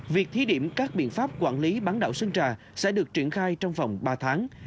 việc thí điểm các biện pháp quản lý bán đảo sơn trà sẽ được triển khai trong vòng ba tháng